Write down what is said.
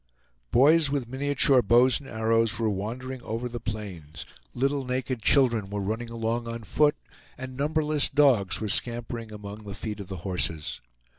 Boys with miniature bows and arrows were wandering over the plains, little naked children were running along on foot, and numberless dogs were scampering among the feet of the horses.